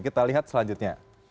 kita lihat selanjutnya